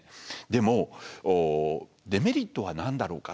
でもデメリットは何だろうか。